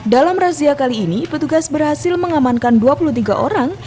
dalam razia kali ini petugas berhasil mengamankan dua puluh tiga orang